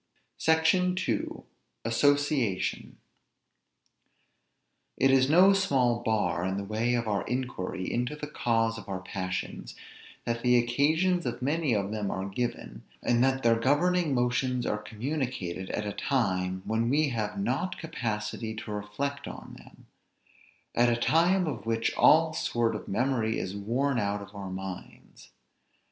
SECTION II. ASSOCIATION. It is no small bar in the way of our inquiry into the cause of our passions, that the occasions of many of them are given, and that their governing motions are communicated at a time when we have not capacity to reflect on them; at a time of which all sort of memory is worn out of our minds.